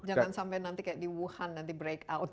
jangan sampai nanti kayak di wuhan nanti break out